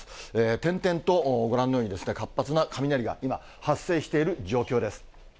点々とご覧のようにですね、活発な雷が今、発生している状況です。